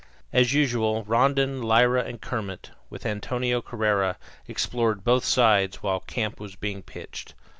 As usual, Rondon, Lyra, and Kermit, with Antonio Correa, explored both sides while camp was being pitched.